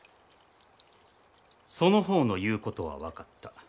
そのほうの言うことは分かった。